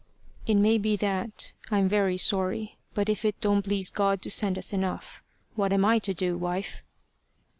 "It may be that. I'm very sorry. But if it don't please God to send us enough, what am I to do, wife?"